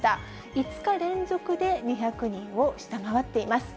５日連続で２００人を下回っています。